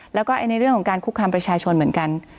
แล้วก็ในเรื่องของการคุกคามประชาชนเหมือนกัน